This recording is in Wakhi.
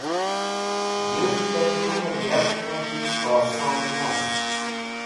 Yũrtẽr tumẽr yark k̃haki oson nast